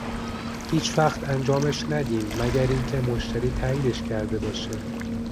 هیچ وقت انجامش ندین مگر اینکه مشتری تاییدش کرده باشه.